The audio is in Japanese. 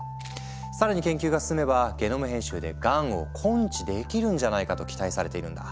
更に研究が進めばゲノム編集でがんを根治できるんじゃないかと期待されているんだ。